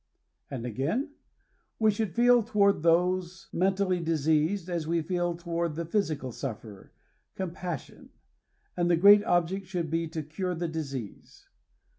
And again, " we should feel toward those mentally diseased, as we feel toward the physical sufferer * compassion ; and the great object should be to cure the disease.